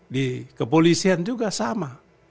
di kepolisian juga sama